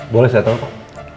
boleh saya taruh pak